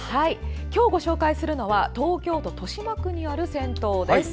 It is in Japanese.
今日ご紹介するのは東京都豊島区にある銭湯です。